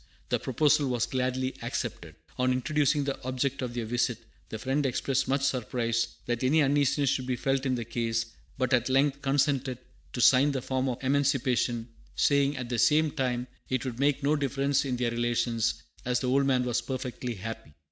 The proposal was gladly accepted. On introducing the object of their visit, the Friend expressed much surprise that any uneasiness should be felt in the case, but at length consented to sign the form of emancipation, saying, at the same time, it would make no difference in their relations, as the old man was perfectly happy.